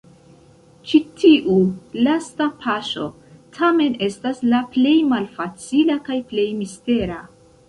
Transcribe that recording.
Ĉi tiu lasta paŝo, tamen, estas la plej malfacila kaj plej mistera.